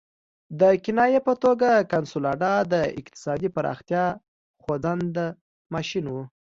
د کنایې په توګه کنسولاډو د اقتصادي پراختیا خوځنده ماشین وو.